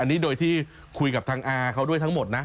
อันนี้โดยที่คุยกับทางอาเขาด้วยทั้งหมดนะ